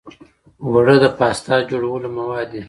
اوړه د پاستا جوړولو مواد دي